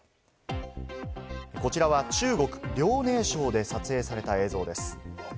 こちらは中国・遼寧省で撮影された映像です。